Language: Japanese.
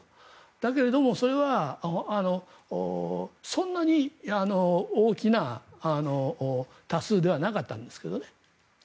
だけれどもそれはそんなに大きな多数ではなかったんですけどね。